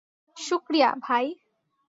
শুকরিয়া, ভাই।